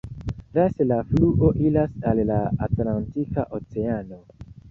Laste la fluo iras al la Atlantika Oceano.